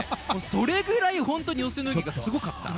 それぐらい本当に予選の泳ぎがすごかった。